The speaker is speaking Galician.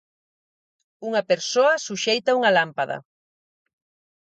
Unha persoa suxeita unha lámpada.